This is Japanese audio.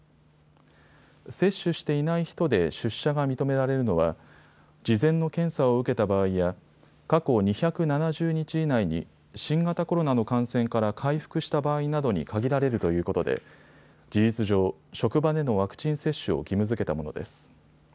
接種していない人で出社が認められるのは事前の検査を受けた場合や過去２７０日以内に新型コロナの感染から回復した場合などに限られるということで事実上、職場でのワクチン接種を義務づけたものです。